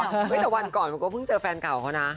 แต่วันก่อนมันก็เพิ่งเจอแฟนเก่าเขานะ